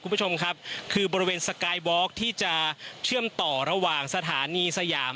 คุณผู้ชมครับคือบริเวณสกายวอล์กที่จะเชื่อมต่อระหว่างสถานีสยาม